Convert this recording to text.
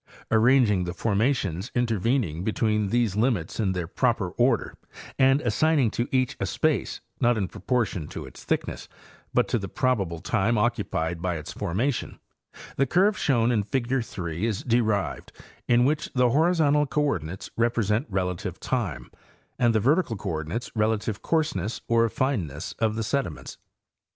Arranging the formations intervening between these limits in their proper order and assigning to each a space, not in proportion to its thickness, but to the prob able time occupied by its formation, the curve shown in figure 3 is derived, in which the horizontal coordinates represent relative time, and the vertical coordinates relative coarseness or fineness of the sediments.